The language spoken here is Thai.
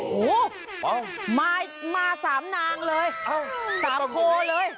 โอ้โหมาสามนางเลยสามโคเลย